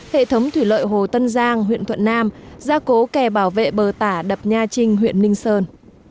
hệ thống thủy lợi hồ tân giang huyện thuận nam gia cố kè bảo vệ bờ tả đập nha trinh huyện ninh sơn